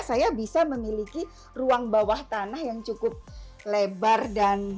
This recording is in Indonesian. saya bisa memiliki ruang bawah tanah yang cukup lebar dan